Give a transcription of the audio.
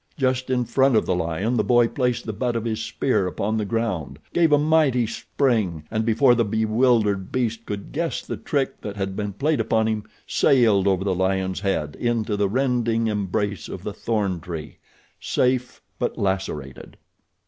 Just in front of the lion the boy placed the butt of his spear upon the ground, gave a mighty spring, and, before the bewildered beast could guess the trick that had been played upon him, sailed over the lion's head into the rending embrace of the thorn tree—safe but lacerated.